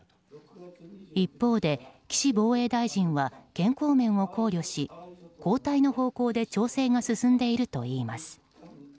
一方で、岸防衛大臣は健康面を考慮し交代の方向で調整が進んでいるといいます。